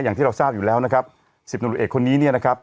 อย่างที่เราทราบอยู่แล้วนะครับสิบตำรวจเอกคนนี้เนี่ยนะครับ